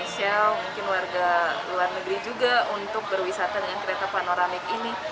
jadi kita akan bisa lebih menarik selain warga indonesia mungkin warga luar negeri juga untuk berwisata dengan kereta panoramik ini